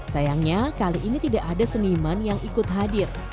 sayangnya kali ini tidak ada seniman yang ikut hadir